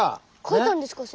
かいたんですか？